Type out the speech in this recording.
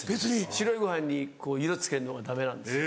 白いご飯に色付けるのはダメなんですよ。